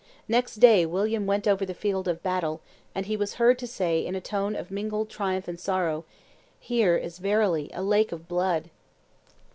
Next day William went over the field of battle; and he was heard to say, in a tone of mingled triumph and sorrow, "Here is verily a lake of blood!"